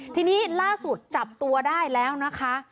ทีนี้ล่าสุดจับตัวได้แล้วนะคะ